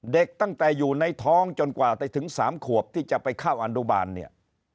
ตั้งแต่อยู่ในท้องจนกว่าไปถึง๓ขวบที่จะไปเข้าอนุบาลเนี่ย